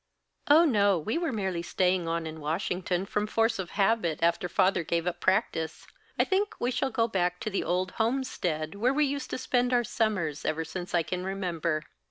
"Oh no. We were merely staying on in Washington from force of habit, after father gave up practice. I think we shall go back to the old homestead, where we used to spend our summers, ever since I can remember."